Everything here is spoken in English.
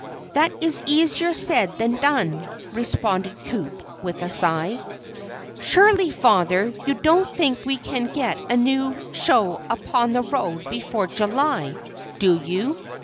"That is easier said than done," responded Coup with a sigh. "Surely, Father, you don't think we can get a new show upon the road before July, do you?"